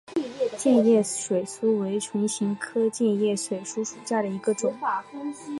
箭叶水苏为唇形科箭叶水苏属下的一个种。